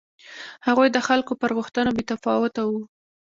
هغوی د خلکو پر غوښتنو بې تفاوته و.